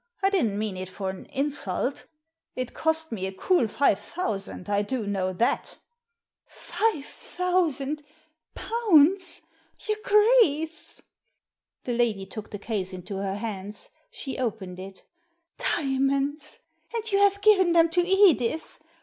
I didn't mean it for an insult It cost me a cool five thousand, I do know that" " Five thousand ? Pounds ? Your Grace I " The lady took the case into her hands. She opened it "Diamonds! And you have given them to Edith!